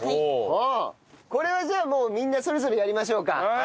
これはじゃあもうみんなそれぞれやりましょうか。